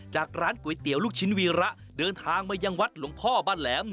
จากร้านก๋วยเตี๋ยวลูกชิ้นวีระเดินทางมายังวัดหลวงพ่อบ้านแหลม